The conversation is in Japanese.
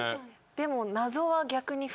でも。